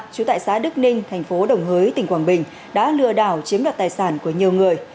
trú tại xã đức ninh thành phố đồng hới tỉnh quảng bình đã lừa đảo chiếm đoạt tài sản của nhiều người